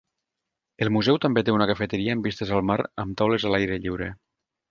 El museu també té una cafeteria amb vistes al mar amb taules a l'aire lliure.